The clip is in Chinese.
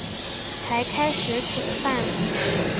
才开始煮饭